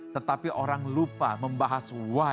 tetapi orang lupa membahas